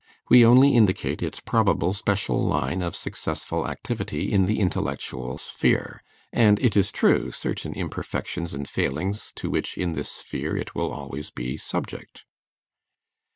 We only indicate its probable special line of successful activity in the intellectual sphere, and, it is true, certain imperfections and failings to which in this sphere it will always be subject.